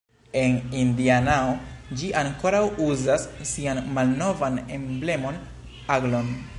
En Indianao ĝi ankoraŭ uzas sian malnovan emblemon, aglon.